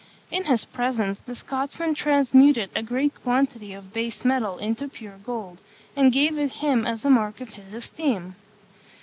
In his presence the Scotsman transmuted a great quantity of base metal into pure gold, and gave it him as a mark of his esteem.